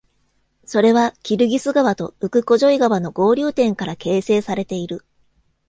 それは、キルギス川とウク・コジョイ川の合流点から形成されている。